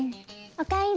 おかえり。